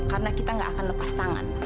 karena kita gak akan lepas tangan